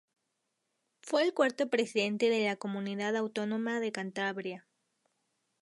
Fue el cuarto presidente de la comunidad autónoma de Cantabria.